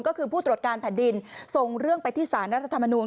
ก็คือผู้ตรวจการแผ่นดินส่งเรื่องไปที่สารรัฐธรรมนูล